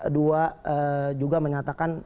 dua juga menyatakan